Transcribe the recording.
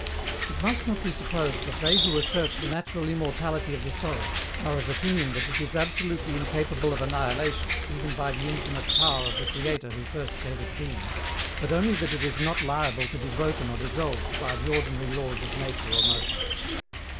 It must not be supposed that they who assert the natural immortality of the soul are of opinion that it is absolutely incapable of annihilation even by the infinite power of the Creator who first gave it being, but only that it is not liable to be broken or dissolved by the ordinary laws of nature or motion.